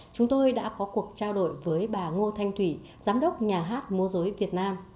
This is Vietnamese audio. chúng tôi đã có cuộc trao đổi với bà ngô thanh thủy giám đốc nhà hát mô dối việt nam